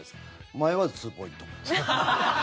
迷わずツーポイント。